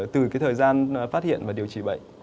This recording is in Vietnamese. từ thời gian phát hiện và điều trị bệnh